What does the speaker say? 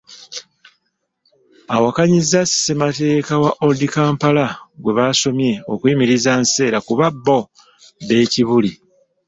Awakanyizza ssemateeka wa Old Kampala gwe baasomye okuyimiriza Nseera kuba bo b'e Kibuli.